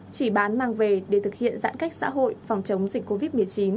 chỉ bán mang về để thực hiện giãn cách xã hội phòng chống dịch covid một mươi chín